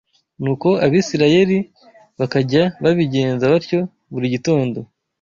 Nuko Abisirayeli bakajya babigenza batyo buri gitondo